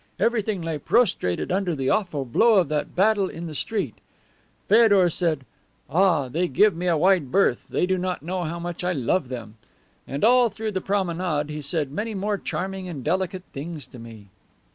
Everything lay prostrated under the awful blow of that battle in the street. Feodor said, 'Ah, they give me a wide berth; they do not know how much I love them," and all through that promenade he said many more charming and delicate things to me.